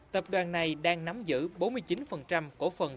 tập đoàn này đang nắm giữ bốn mươi chín của phần công ty